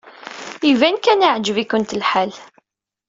Iban kan yeɛjeb-ikent lḥal.